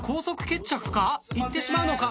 行ってしまうのか！？